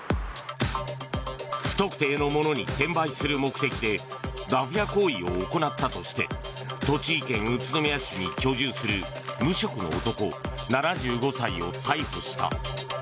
不特定の者に転売する目的でダフ屋行為を行ったとして栃木県宇都宮市に居住する無職の男、７５歳を逮捕した。